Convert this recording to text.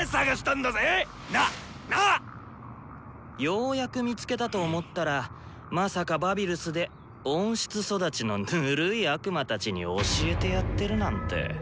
ようやく見つけたと思ったらまさかバビルスで温室育ちのぬるい悪魔たちに教えてやってるなんて。